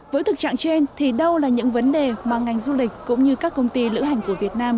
với thực trạng trên thì đâu là những vấn đề mà ngành du lịch cũng như các công ty lữ hành của việt nam